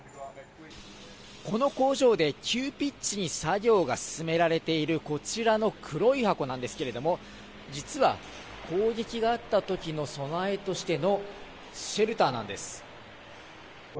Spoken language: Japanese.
この工場で、急ピッチに作業が進められているこちらの黒い箱なんですけれども、実は攻撃があったときの備えとしてのシェルターなんです。